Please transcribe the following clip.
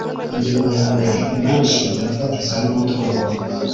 Ingingo ya mbere Imari shingiro fatizo n umutungo